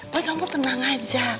boy kamu tenang aja